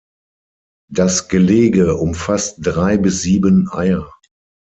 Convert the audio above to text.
Das Gelege umfasst drei bis sieben Eier.